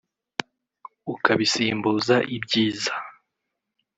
ukabisimbuza ibyiza